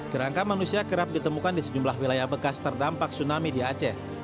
kerangka manusia kerap ditemukan di sejumlah wilayah bekas terdampak tsunami di aceh